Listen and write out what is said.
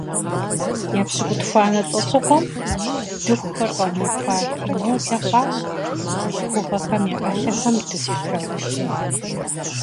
Епщыкӏутхуанэ лӏэщӏыгъуэм дыхухэр къэунэхуати, модэ хъуащ бзылъхугъэхэм я ӏэлъэхэм дыху траутхэу.